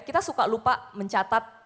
kita suka lupa mencatat